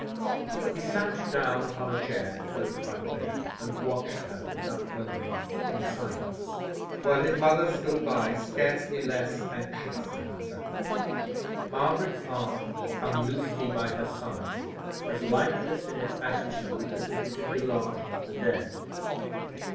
He sat down upon a chair close by the bed, and watched her for some moments in silence, while his mother stood by, scarcely less anxious than himself. Margaret's arm hung loosely by her side as lifeless in its attitude as if it had belonged to the dead.